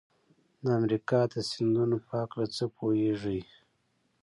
د امریکا د سیندونو په هلکه څه پوهیږئ؟